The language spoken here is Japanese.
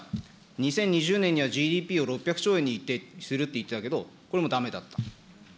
２０２０年にはＧＤＰを６００兆円にすると言っていたけど、これもだめだったと。